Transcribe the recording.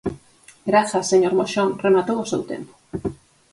Grazas, señor Moxón, rematou o seu tempo.